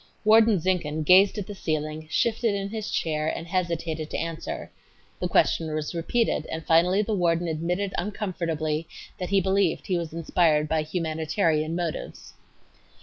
Warden Zinkhan gazed at the ceiling, shifted in his chair and hesitated to answer. The question was repeated, and finally the warden admitted uncomfortably that he believed he was inspired by "humanitarian motives."